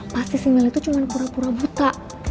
pasti si mel itu cuma pura pura buta